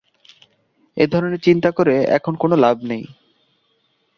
এ ধরনের চিন্তা করে এখন কোন লাভ নেই।